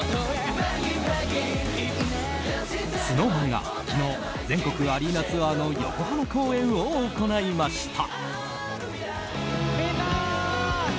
ＳｎｏｗＭａｎが昨日全国アリーナツアーの横浜公演を行いました。